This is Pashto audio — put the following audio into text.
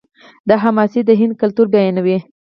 دا حماسې د هند کلتور بیانوي.